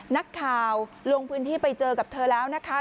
นักข่าวลงพื้นที่ไปเจอกับเธอแล้วนะคะ